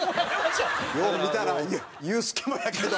よう見たらユースケもやけど。